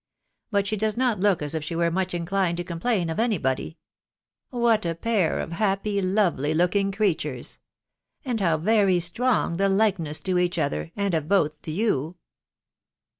. But she does not look as if she were much inclined to complain of any body .... What a pair of . happy, lovely looking creatures !.... And how very strong the likeness to each other, and of both to you